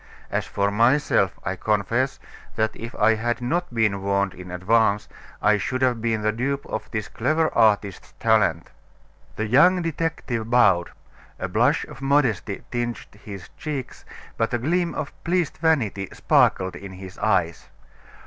As for myself, I confess, that if I had not been warned in advance, I should have been the dupe of this clever artist's talent." The young detective bowed; a blush of modesty tinged his cheeks, but a gleam of pleased vanity sparkled in his eyes.